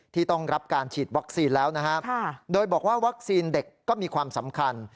ที่ต้องรับการฉีดวัคซีนแล้วนะครับโดยบอกว่าวัคซีนเด็กก็มีความสำคัญ